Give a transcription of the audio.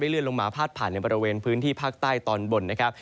เลื่อนลงมาพาดผ่านในบริเวณพื้นที่ภาคใต้ตอนบนนะครับ